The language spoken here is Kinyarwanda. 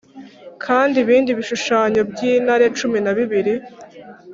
Kandi ibindi bishushanyo by intare cumi na bibiri